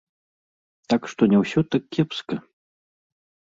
Так што не ўсё так кепска.